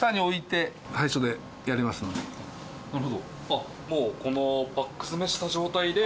あっもうこのパック詰めした状態で？